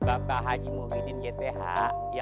udah ngomongin gth yang terhormat ya